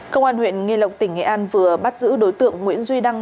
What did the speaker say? công an huyện nghi lộc tỉnh nghệ an vừa bắt giữ đối tượng nguyễn duy đăng